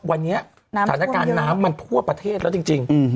วันนี้ฐานะการณ์น้ำทั้งมากมายมันพ่อประเทศแล้วจริง